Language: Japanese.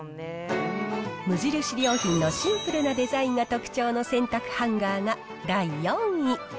無印良品のシンプルなデザインが特徴の洗濯ハンガーが第４位。